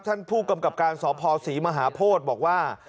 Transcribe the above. ท่านผู้กำกับการสภศรีมหาโพธิบอกว่า